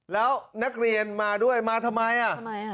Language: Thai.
แล้วนักเรียนมาด้วยมาทำไมอ่ะทำไมอ่ะ